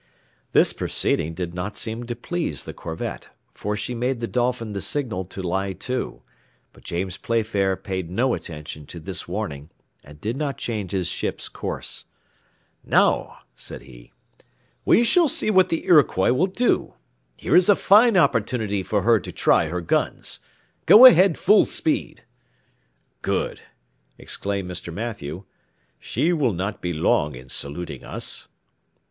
This proceeding did not seem to please the corvette, for she made the Dolphin the signal to lie to, but James Playfair paid no attention to this warning, and did not change his ship's course. "Now," said he, "we shall see what the Iroquois will do; here is a fine opportunity for her to try her guns. Go ahead full speed!" "Good!" exclaimed Mr. Mathew; "she will not be long in saluting us."